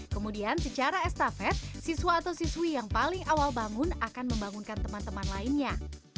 kemudian secara estafet siswa atau siswi yang paling awal bangun akan membangunkan teman teman lainnya